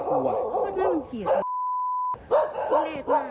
กูไม่เคยทำร้าย